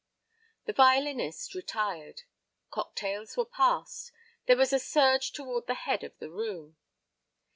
The violinist retired. Cocktails were passed. There was a surge toward the head of the room.